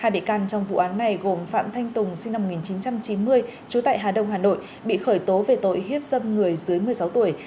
hai bị can trong vụ án này gồm phạm thanh tùng sinh năm một nghìn chín trăm chín mươi trú tại hà đông hà nội bị khởi tố về tội hiếp dâm người dưới một mươi sáu tuổi